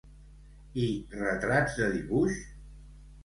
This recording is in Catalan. I retrats de dibuix?